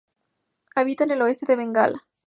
Habita en el oeste de Bengala.